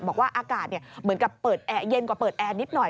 บอกว่าอากาศเหมือนกับเปิดแอร์เย็นกว่าเปิดแอร์นิดหน่อย